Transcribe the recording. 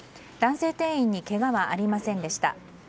男性店員にけがはありませんでした。